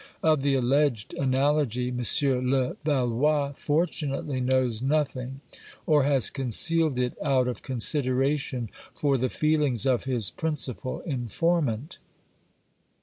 Of the alleged analogy M. Levallois fortunately knows nothing, or has concealed it out of consideration for the feelings of his principal informant.